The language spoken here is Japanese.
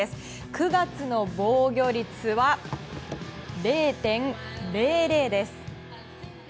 ９月の防御率は、０．００です！